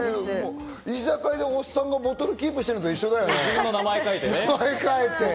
居酒屋でおっさんがボトルキープしてるのと同じだよね。